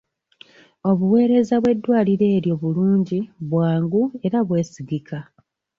Obuweereza bw'eddwaliro eryo bulungi, bwangu era bwesigika.